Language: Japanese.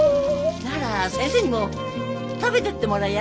なら先生にも食べてってもらや。